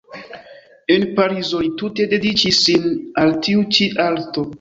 En Parizo li tute dediĉis sin al tiu ĉi arto.